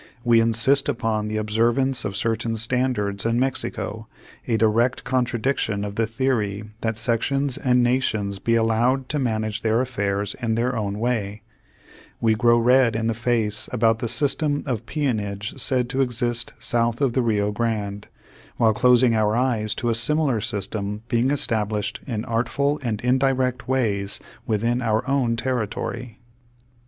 We insist upon the ob servance of certain standards in Mexico, a direct contradiction of the theory that sections and na Page Two Hundred eleven tions be allowed to manage their affairs in their own wa3\ We grow red in the face about the sys tem of peonage said to exist South of the Rio Grande, while closing our eyes to a similar sys tem being established in artful and indirect ways within our own territory.